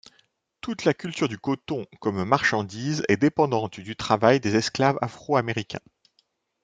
Toute la culture du coton comme marchandise est dépendante du travail des esclaves afro-américains.